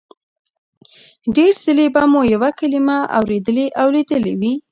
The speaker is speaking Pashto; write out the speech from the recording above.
ډېر ځله به مو یوه کلمه اورېدلې او لیدلې وي